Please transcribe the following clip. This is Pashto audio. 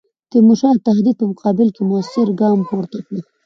تیمورشاه د تهدید په مقابل کې موثر ګام پورته کړ.